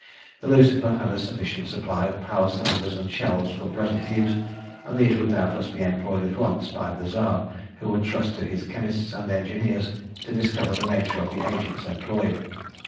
The Lucifer had a sufficient supply of power cylinders and shells for present use, and these would doubtless be employed at once by the Tsar, who would trust to his chemists and engineers to discover the nature of the agents employed.